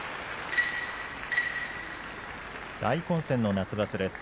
大混戦の夏場所です。